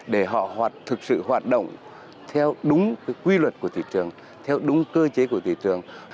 để họ hoạt thực sự hoạt động theo đúng quy luật của thị trường theo đúng cơ chế của thị trường